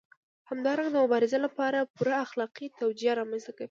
همدارنګه د مبارزې لپاره پوره اخلاقي توجیه رامنځته کوي.